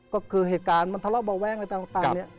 ก็คือเหตุการณ์มันทะเลาะเบาแว้งอะไรต่างเนี่ย